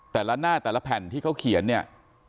แต่ละหน้าแต่ละแผ่นที่เขาเขียนเนี่ย